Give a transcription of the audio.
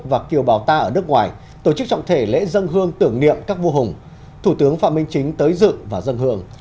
và kiều bào ta ở nước ngoài tổ chức trọng thể lễ dân hương tưởng niệm các vua hùng thủ tướng phạm minh chính tới dự và dân hương